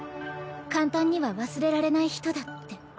簡単には忘れられない人だって。